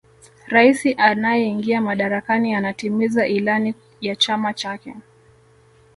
raisi anayeingia madarakani anatimiza ilani ya chama chake